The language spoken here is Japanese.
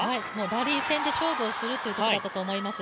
ラリー戦で勝負するということだったと思います。